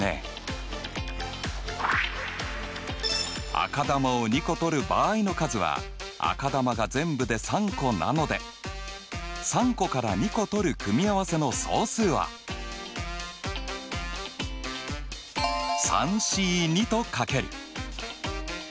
赤球を２個取る場合の数は赤球が全部で３個なので３個から２個取る組み合わせの総数はと書ける。